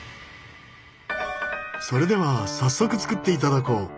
それでは早速作っていただこう！